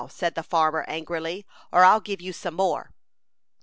said the farmer, angrily, "or I'll give you some more."